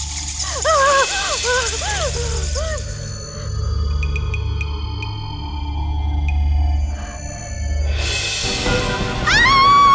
dimana toh ini orangnya